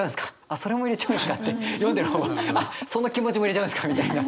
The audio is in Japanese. それも入れちゃうんすかって読んでる方もあっそんな気持ちも入れちゃいますかみたいな。